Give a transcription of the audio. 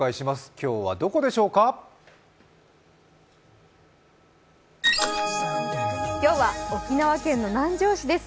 今日は沖縄県の南城市です。